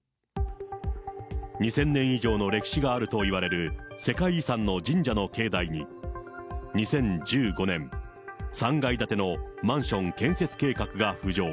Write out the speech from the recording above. ２０００年以上の歴史があるといわれる世界遺産の神社の境内に、２０１５年、３階建てのマンション建設計画が浮上。